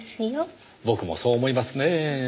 僕もそう思いますねぇ。